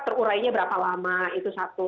terurai nya berapa lama itu satu